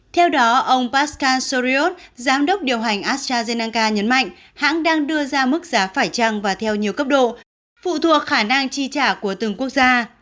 theo đó ông parscale soriot giám đốc điều hành astrazeneca nhấn mạnh hãng đang đưa ra mức giá phải trăng và theo nhiều cấp độ phụ thuộc khả năng chi trả của từng quốc gia